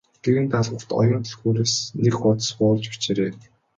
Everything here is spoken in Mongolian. Гэрийн даалгаварт Оюун түлхүүрээс нэг хуудас хуулж бичээрэй.